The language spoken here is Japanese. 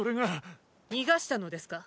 逃がしたのですか